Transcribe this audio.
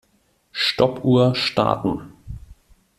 Stoppuhr starten.